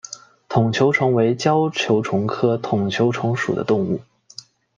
筒球虫为胶球虫科筒球虫属的动物。